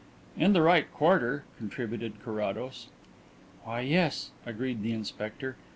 "In the right quarter," contributed Carrados. "Why, yes," agreed the inspector.